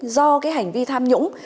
do cái hành vi tham nhũng